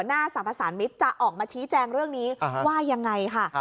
หน้าสรรพสารมิตรจะออกมาชี้แจงเรื่องนี้ว่ายังไงค่ะ